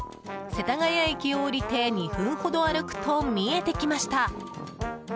世田谷駅を降りて２分ほど歩くと見えてきました。